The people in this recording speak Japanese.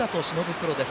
プロです。